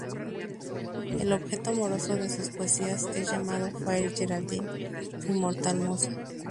El objeto amoroso de sus poesías es llamado "Fair Geraldine", su inmortal musa.